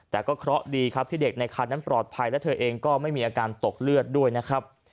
แต่ก็เคราะห์ดีครับที่เด็กในคันนั้นปลอดภัยและเธอเองก็ไม่มีอาการตกเลือดด้วยนะครับ